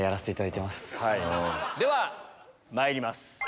ではまいります。